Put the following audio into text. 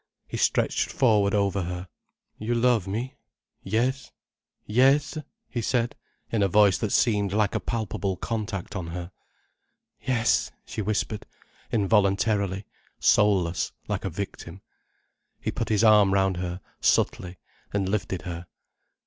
He stretched forward over her. "You love me? Yes?—Yes?" he said, in a voice that seemed like a palpable contact on her. "Yes," she whispered involuntarily, soulless, like a victim. He put his arm round her, subtly, and lifted her.